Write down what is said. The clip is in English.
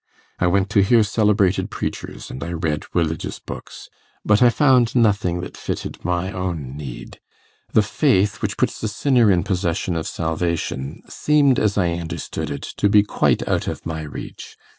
I went to hear celebrated preachers, and I read religious books. But I found nothing that fitted my own need. The faith which puts the sinner in possession of salvation seemed, as I understood it, to be quite out of my reach.